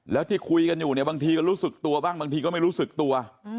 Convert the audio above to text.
แล้วที่คุยกันอยู่เนี่ยบางทีก็รู้สึกตัวบ้างบางทีก็ไม่รู้สึกตัว